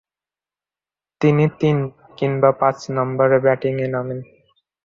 তিনি তিন কিংবা পাঁচ নম্বরে ব্যাটিংয়ে নামেন।